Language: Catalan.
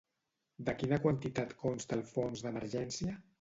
De quina quantitat consta el fons d'emergència?